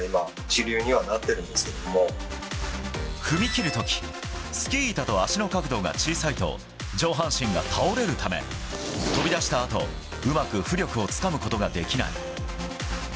踏み切る時スキー板と足の角度が小さいと上半身が倒れるため飛び出したあとうまく浮力をつかむことができない。